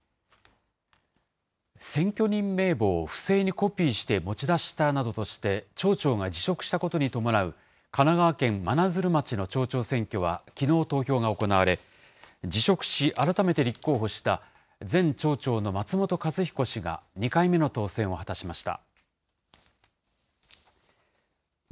選挙人名簿を不正にコピーして持ち出したなどとして町長が辞職したことに伴う、神奈川県真鶴町の町長選挙はきのう投票が行われ、辞職し、改めて立候補した前町長の松本一彦氏が２回目の当選を果たしました。